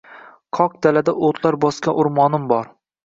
Qoq dalada o’tlar bosgan o’rmonim bor.